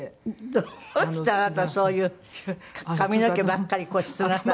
どうしてあなたはそういう髪の毛ばっかりに固執なさるの？